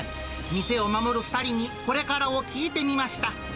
店を守る２人にこれからを聞いてみました。